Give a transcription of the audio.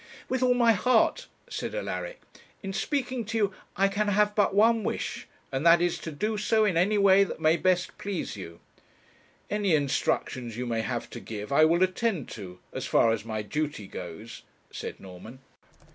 'With all my heart,' said Alaric. 'In speaking to you I can have but one wish, and that is to do so in any way that may best please you.' 'Any instructions you may have to give I will attend to, as far as my duty goes,' said Norman.